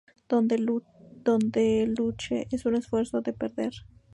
Dónde luche en un esfuerzo de perder.